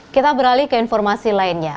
kita beralih ke informasi lainnya